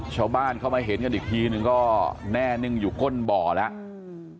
ชาวบ้านเข้ามาเห็นกันอีกทีนึงก็แน่นิ่งอยู่ก้นบ่อแล้วอืม